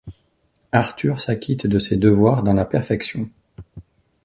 Arthur s’acquitte de ses devoirs dans la perfection.